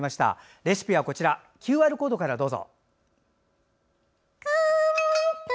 レシピはＱＲコードからどうぞ。